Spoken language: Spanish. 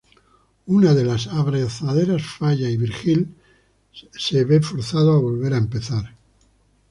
Una de las abrazaderas falla y Virgil es forzado a volver a empezar.